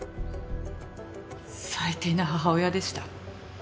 最低な母親でした。